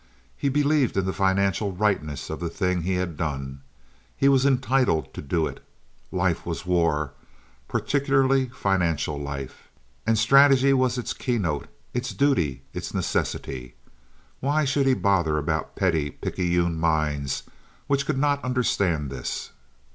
He believed in the financial rightness of the thing he had done. He was entitled to do it. Life was war—particularly financial life; and strategy was its keynote, its duty, its necessity. Why should he bother about petty, picayune minds which could not understand this?